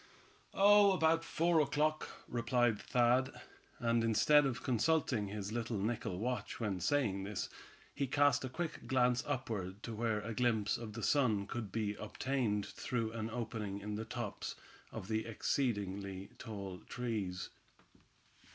"Oh! about four o'clock," replied Thad, and instead of consulting his little nickel watch when saying this, he cast a quick glance upward to where a glimpse of the sun could be obtained through an opening in the tops of the exceedingly tall trees.